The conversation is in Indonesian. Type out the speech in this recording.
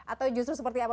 atau justru seperti apa